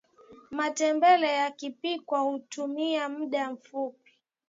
matembele yakipikwa hutumia mda mfupi